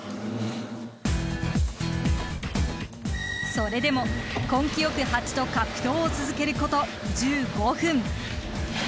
それでも根気よくハチと格闘を続けること１５分。